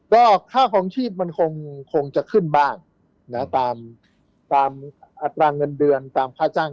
ก็ค่าคลองชีพมันคงจะขึ้นบ้างนะตามอัตราเงินเดือนตามค่าจ้าง